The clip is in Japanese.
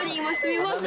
見ます？